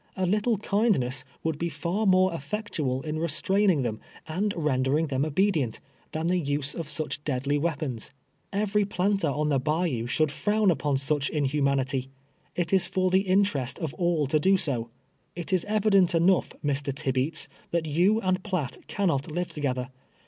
A lit tle kindness Avould be far more eftectual in restraining them, and rendering them obedient, than the use of such deadly Aveapons. Every planter on the bayou FOED CEXSrKES TTBEATS, 151 sliould frown upon sncli inhumanity. It is for the in terest of all to do so. It is evident enough, Mr. Tib eats, that jou and Piatt cannot live together.